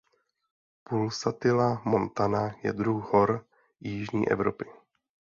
Pulsatilla montana je druh hor jižní Evropy.